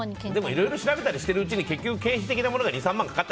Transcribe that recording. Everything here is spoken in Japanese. いろいろ調べたりしてるうちに経費的なものが２３万